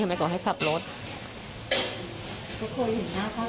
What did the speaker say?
ไม่ขอให้ขับรถทุกคนเห็นหน้าเขา